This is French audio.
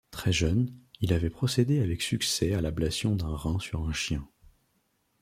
Très jeune, il avait procédé avec succès à l'ablation d'un rein sur un chien.